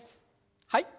はい。